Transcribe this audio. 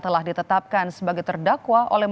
telah ditetapkan sebagai terdakwa oleh